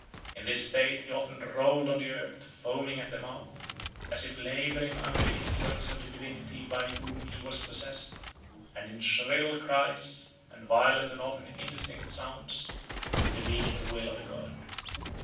In this state he often rolled on the earth, foaming at the mouth, as if labouring under the influence of the divinity by whom he was possessed, and, in shrill cries, and violent and often indistinct sounds, revealed the will of the god.